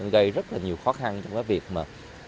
gây rất nhiều khó khăn trong việc mà